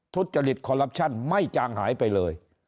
ทุจริตคอลลับชั่นไม่จางหายไปเลย